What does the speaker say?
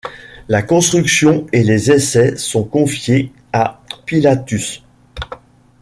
La construction et les essais sont confiés à Pilatus.